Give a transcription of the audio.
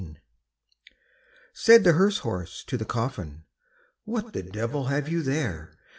Said the hearse horse to the coffin, "What the devil have you there?